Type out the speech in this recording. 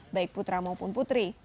baik putra maupun putri